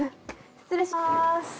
失礼します。